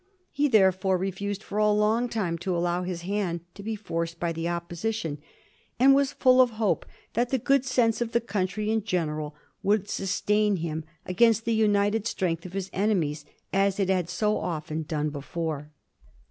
He, therefore, refused for a long time to allow his hand to be forced by the Opposition, and was full of hope that the good sense of the country in general would sustain him against the united strength of his ene* mies, as it had so often done before.